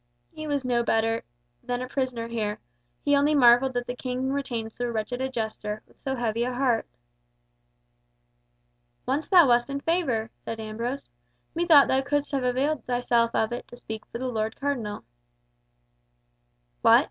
He was no better than a prisoner here, he only marvelled that the King retained so wretched a jester, with so heavy a heart. "Once thou wast in favour," said Ambrose. "Methought thou couldst have availed thyself of it to speak for the Lord Cardinal." "What?